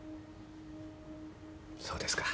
そうですか。